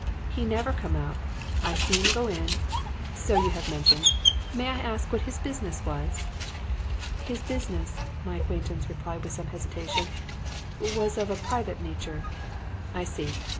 He never come out. I see 'im go in ' "'So you have mentioned. May I ask what his business was?' "'His business,' my acquaintance replied with some hesitation, 'was of a private nature.' "'I see.